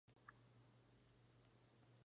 Pórtico, con arco de medio punto.